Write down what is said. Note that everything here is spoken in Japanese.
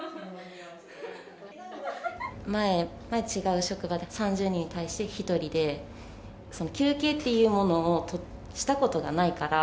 前は違う職場で、３０人に対して１人で、休憩っていうものをしたことがないから。